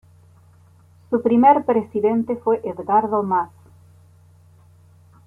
Su primer presidente fue Edgardo Maas.